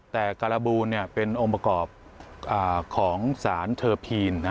แต่การบูลเป็นองค์ประกอบของสารเทอร์พีน